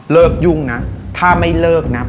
เลิกยุ่งนะถ้าไม่เลิกนะ